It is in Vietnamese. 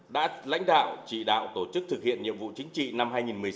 đã lãnh đạo chỉ đạo tổ chức thực hiện nhiệm vụ chính trị năm hai nghìn một mươi chín